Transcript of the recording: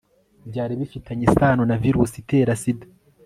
byari bifitanye isano na virusi itera sida